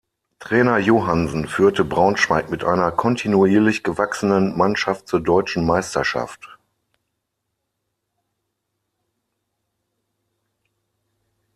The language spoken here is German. Trainer Johannsen führte Braunschweig mit einer kontinuierlich gewachsenen Mannschaft zur deutschen Meisterschaft.